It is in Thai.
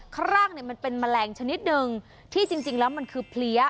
ครั่งเนี่ยมันเป็นแมลงชนิดหนึ่งที่จริงแล้วมันคือเพลี้ย